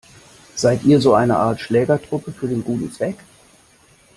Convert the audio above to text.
Seid ihr so eine Art Schlägertruppe für den guten Zweck?